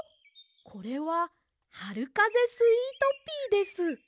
これははるかぜスイートピーです。